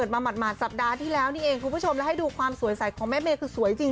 มาหมาดสัปดาห์ที่แล้วนี่เองคุณผู้ชมแล้วให้ดูความสวยใสของแม่เมย์คือสวยจริง